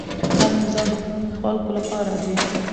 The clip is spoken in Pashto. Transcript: هر نظام د خلکو لپاره دی